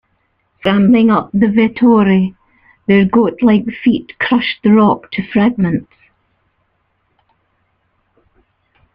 Scrambling up the Vettore, their goatlike feet crushed the rock to fragments.